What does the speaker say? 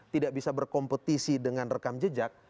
tidak bisa berkompetisi dengan rekam jejak